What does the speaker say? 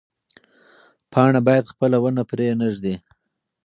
پاڼه باید خپله ونه پرې نه ږدي.